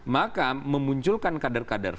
maka memunculkan kader kader